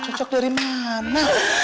cocok dari mana